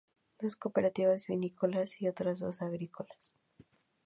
Dos cooperativas vinícolas y otras dos agrícolas.